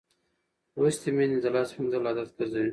لوستې میندې د لاس مینځل عادت ګرځوي.